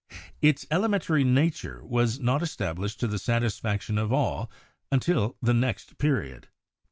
Its elementary nature was not established to the satisfaction of all until the next period.